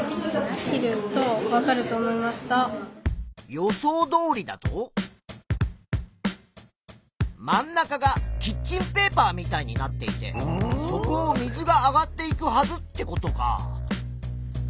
予想どおりだと真ん中がキッチンペーパーみたいになっていてそこを水が上がっていくはずってことか。